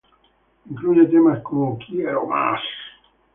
Incluye temas como "¡Quiero más!